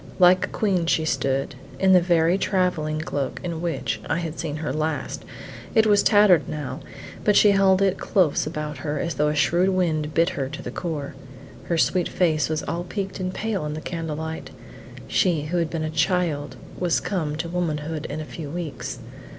Like a queen she stood, in the very travelling cloak in which I had seen her last; it was tattered now, but she held it close about her as though a shrewd wind bit her to the core. Her sweet face was all peeked and pale in the candle light: she who had been a child was come to womanhood in a few weeks.